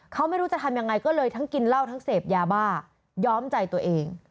เขาไม่รู้จะทำยังไงก็เลยทั้งกินเหล้าทั้งเสพยาบ้าย้อมใจตัวเอง